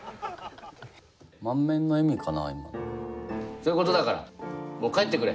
そういうことだからもう帰ってくれ。